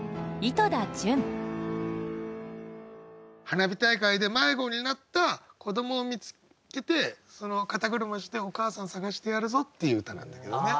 花火大会で迷子になった子どもを見つけて肩車してお母さん捜してやるぞっていう歌なんだけどね。